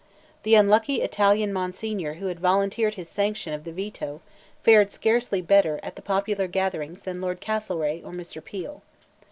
The unlucky Italian Monsignor who had volunteered his sanction of the Veto, fared scarcely better at the popular gatherings than Lord Castlereagh, or Mr. Peel.